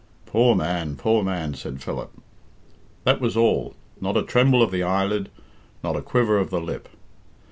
"Poor man, poor man!" said Philip. That was all. Not a tremble of the eyelid, not a quiver of the lip.